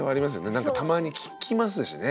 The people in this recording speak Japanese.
なんかたまに聞きますしね。